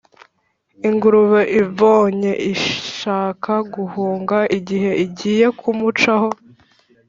ingurube imubonye ishaka guhunga, igihe igiye kumucaho,